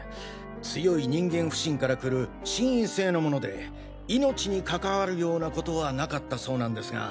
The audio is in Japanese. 強い人間不信からくる心因性のもので命に関わるようなことはなかったそうなんですが。